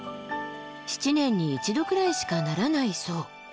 ７年に一度くらいしかならないそう。